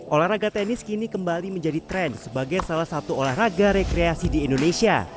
olahraga tenis kini kembali menjadi tren sebagai salah satu olahraga rekreasi di indonesia